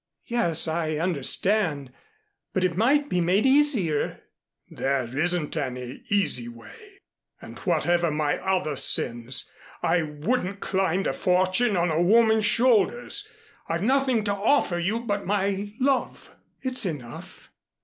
"Yes, I understand but it might be made easier " "There isn't any easy way. And, whatever my other sins, I wouldn't climb to fortune on a woman's shoulders. I've nothing to offer you but my love " "It's enough."